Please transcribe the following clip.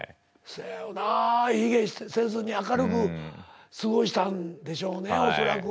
せやろなぁ卑下せずに明るく過ごしたんでしょうね恐らく。